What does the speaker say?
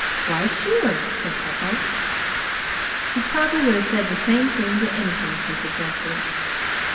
"Why, sure!" said Freckles. He probably would have said the same to anything she suggested.